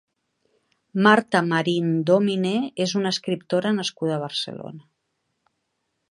Marta Marín-Dòmine és una escriptora nascuda a Barcelona.